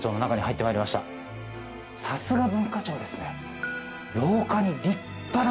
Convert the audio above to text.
さすが文化庁ですね廊下に。